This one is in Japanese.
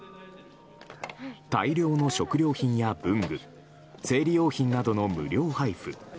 大量の食料品や文具生理用品などの無料配布。